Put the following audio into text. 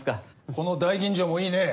この大吟醸もいいね